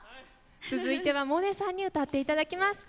続いては萌音さんに歌っていただきます。